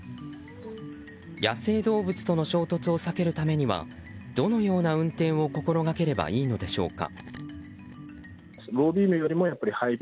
野生動物との衝突を避けるためにはどのような運転を心がければいいのでしょうか。